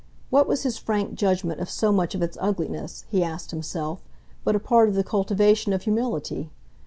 What was his frank judgment of so much of its ugliness, he asked himself, but a part of the cultivation of humility?